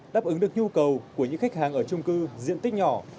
đáp ứng được nhu cầu của những khách hàng ở trung cư diện tích nhỏ